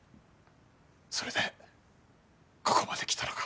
それでここまで来たのか？